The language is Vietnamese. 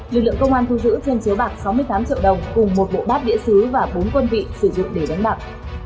lực lượng công an thu giữ trên chiếu bạc sáu mươi tám triệu đồng cùng một bộ bát đĩa xứ và bốn quân vị sử dụng để đánh bạc